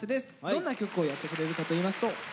どんな曲をやってくれるかといいますと。